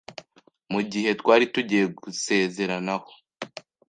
mu gihe twari tugiye gusezeranaho